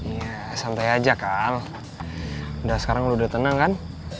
iya santai aja kal udah sekarang lo udah tenang kan